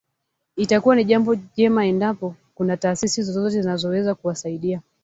Itakuwa ni jambo jema endapo kuna taasisi zozote zinazoweza kuwasaidia